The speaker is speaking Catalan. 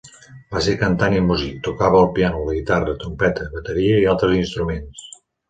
Va ser cantant i músic, tocava el piano, la guitarra, trompeta, bateria i altres instruments.